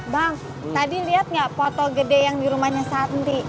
bang tadi lihat gak foto gede yang di rumahnya santi